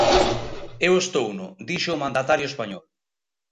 Eu estouno, dixo o mandatario español.